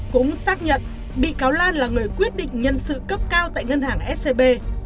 cũng xác nhận bị cáo lan là người quyết định nhân sự cấp cao tại ngân hàng scb